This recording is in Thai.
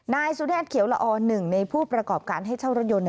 นายสุเดชเขียวละอ๑ในผู้ประกอบการให้เช่ารถยนต์